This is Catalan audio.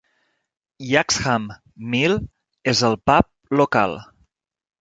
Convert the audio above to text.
Yaxham Mill és el pub local.